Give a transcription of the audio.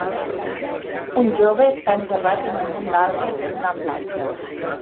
Un jove està enterrat en un munt d'algues en una platja.